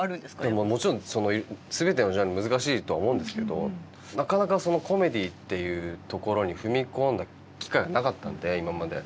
もちろんその全てのジャンル難しいとは思うんですけどなかなかコメディーっていうところに踏み込んだ機会がなかったんで今まで。